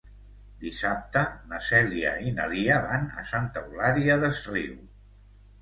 Dissabte na Cèlia i na Lia van a Santa Eulària des Riu.